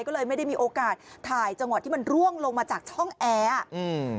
ก็เลยไม่ได้มีโอกาสถ่ายจังหวะที่มันร่วงลงมาจากช่องแอร์อ่ะอืม